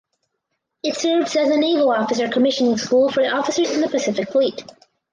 It serves as an naval officer commissioning school for officers in the Pacific Fleet.